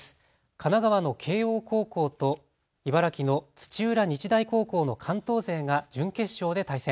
神奈川の慶応高校と茨城の土浦日大高校の関東勢が準決勝で対戦。